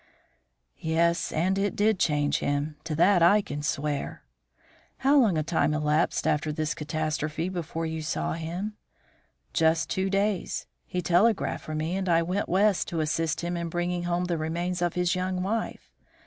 "Yes, and it did change him; to that I can swear." "How long a time elapsed after this catastrophe before you saw him?" "Just two days. He telegraphed for me, and I went West to assist him in bringing home the remains of his young wife.